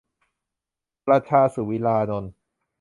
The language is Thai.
- ประชา สุวีรานนท์